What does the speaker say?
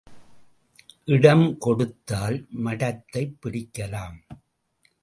இடம் கொடுத்தால் மடத்தைப் பிடிக்கலாம்.